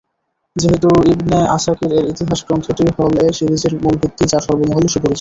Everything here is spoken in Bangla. যেহেতু ইবন আসাকীর-এর ইতিহাস গ্রন্থটি হল এ সিরিজের মূল ভিত্তি যা সর্বমহলে সুপরিচিত।